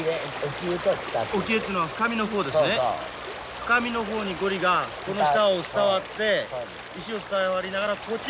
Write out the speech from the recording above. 深みの方にゴリがこの下を伝わって石を伝わりながらこっちへ来るわけですねこうやって。